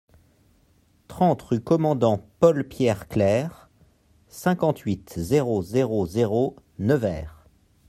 trente rue Commandant Paul Pierre Clerc, cinquante-huit, zéro zéro zéro, Nevers